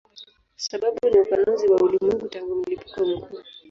Sababu ni upanuzi wa ulimwengu tangu mlipuko mkuu.